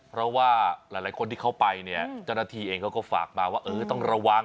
เพราะว่าหลายคนที่เขาไปเนี่ยเจ้าหน้าที่เองเขาก็ฝากมาว่าเออต้องระวัง